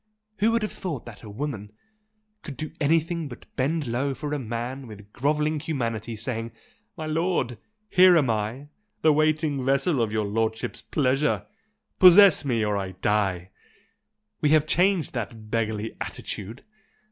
'Who would have thought that a woman' could do anything but bend low before a man with grovelling humility saying 'My lord, here am I, the waiting vessel of your lordship's pleasure! possess me or I die!' We have changed that beggarly attitude!"